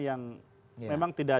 yang memang tidak